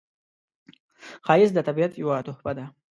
ښایست د طبیعت یوه تحفه ده